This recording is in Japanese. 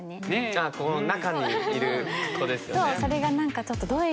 ああこの中にいる子ですよね。